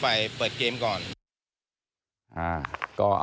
ไม่รู้ว่าใครชกต่อยกันอยู่แล้วอะนะคะ